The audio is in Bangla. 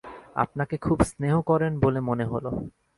আপনাকে খুব স্নেহ করেন বলে মনে হল।